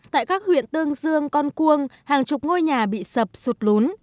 tại các huyện tương dương con cuông hàng chục ngôi nhà bị sập sụt lún